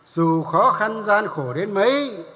dù khó khăn gian khổ đến mấy